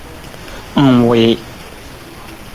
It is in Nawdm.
Ng wii.